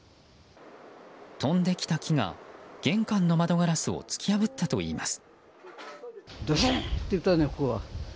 飛んできた木が玄関の窓ガラスを突き破ったといいます。